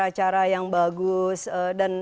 acara yang bagus dan